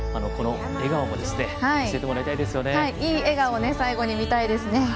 笑顔もいい笑顔を最後に見たいですね。